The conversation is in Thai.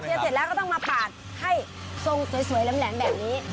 เสร็จแล้วก็ต้องมาปาดให้ทรงสวยแหลมแบบนี้